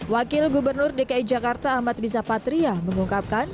wakil gubernur dki jakarta ahmad riza patria mengungkapkan